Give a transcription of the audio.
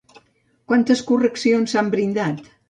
Quantes correccions s'han brindat?